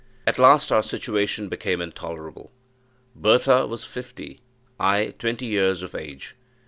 At last our situation became intolerable: Bertha was fifty I twenty years of age.